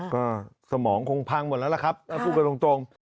ก็สมองคงพังหมดแล้วล่ะครับถ้าพูดกันตรง